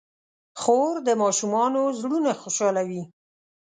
خور د ماشومانو زړونه خوشحالوي.